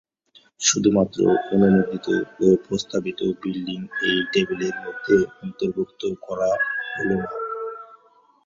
শুধুমাত্র অনুমোদিত বা প্রস্তাবিত বিল্ডিং এই টেবিলের মধ্যে অন্তর্ভুক্ত করা হলো না।